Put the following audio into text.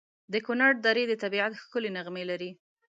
د کنړ درې د طبیعت ښکلي نغمې لري.